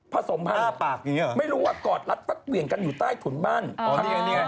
ผสมพันธุ์ไม่รู้ว่ากอดรัฐพักเหวี่ยงกันอยู่ใต้ถุนบ้านพักอาโลงนะครับอ๋อนี่ไงนี่ไง